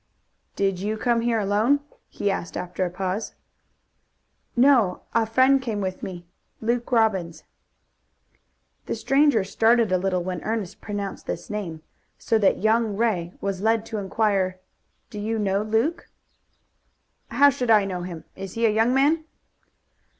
"Did you come here alone?" he asked after a pause. "No. A friend came with me Luke Robbins." The stranger started a little when Ernest pronounced this name, so that young Ray was led to inquire, "Do you know Luke?" "How should I know him? Is he a young man?"